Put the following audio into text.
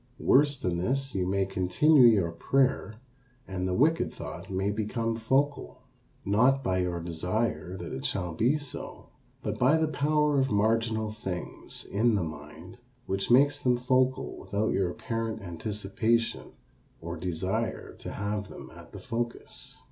Worse than this, you may continue your prayer and the wicked thought may become focal. Not by your desire that it shall be so, but by the power of marginal things in the mind which makes them focal without your apparent anticipation or desire to have them at the focus.